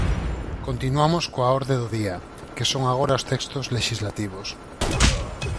Continuamos coa orde do día, que son agora os textos lexislativos.